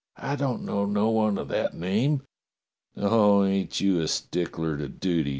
I don't know no one of that name." "Oh, ain't you a stickler to duty.